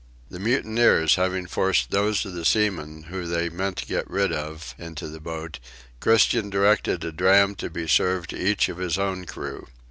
The mutineers having forced those of the seamen whom they meant to get rid of into the boat, Christian directed a dram to be served to each of his own crew.